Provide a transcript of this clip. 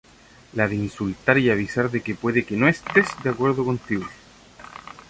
la de insultar y avisar de que puede que no estés de acuerdo contigo